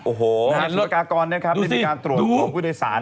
โอ้โฮตายแล้วนานสุรกากรได้เป็นการตรวจของผู้โดยศาล